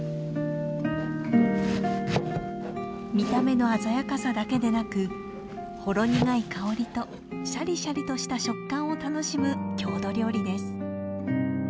見た目の鮮やかさだけでなくほろ苦い香りとシャリシャリとした食感を楽しむ郷土料理です。